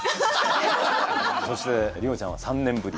そして里帆ちゃんは３年ぶり。